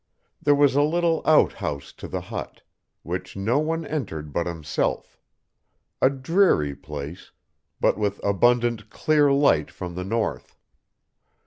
There was a little out house to the hut, which no one entered but himself a dreary place, but with abundant clear light from the north.